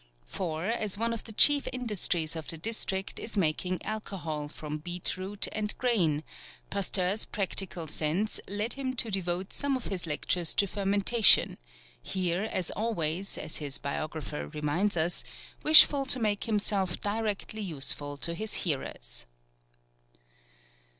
For, as one of the chief industries of the district is making alcohol from beet root and grain, Pasteur's practical sense led him to devote some of his lectures to fermentation; here, as always, as his biographer reminds us, wishful to make himself directly useful to his hearers.